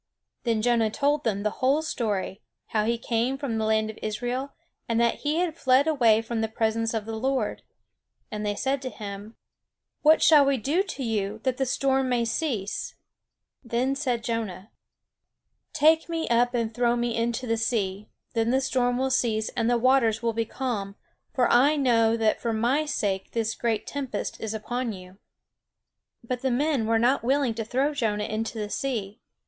Then Jonah told them the whole story, how he came from the land of Israel, and that he had fled away from the presence of the Lord. And they said to him: "What shall we do to you, that the storm may cease?" Then said Jonah: "Take me up and throw me into the sea; then the storm will cease and the waters will be calm; for I know that for my sake this great tempest is upon you." But the men were not willing to throw Jonah into the sea.